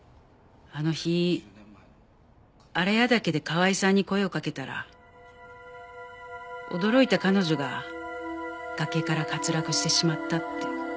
あの日荒谷岳で河合さんに声をかけたら驚いた彼女が崖から滑落してしまったって。